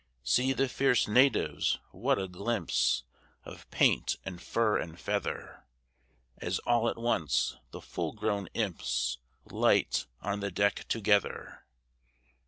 See the fierce natives! What a glimpse Of paint and fur and feather, As all at once the full grown imps Light on the deck together!